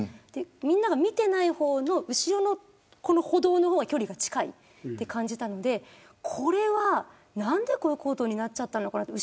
みんなが見ていない方の後ろの歩道の方が距離が近いと感じたのでこれは何で、こういうことになってしまったのかなと。